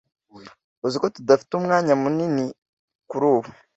Uzi ko tudafite umwanya munini kurubu.